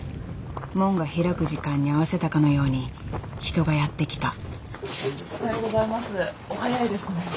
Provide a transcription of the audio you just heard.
門が開く時間に合わせたかのように人がやって来た。